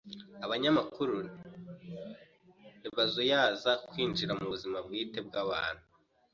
Abanyamakuru ntibazuyaza kwinjira mu buzima bwite bwabantu.